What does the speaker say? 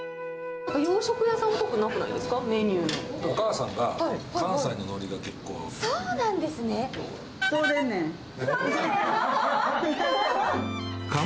洋食屋さんっぽくなくないですか。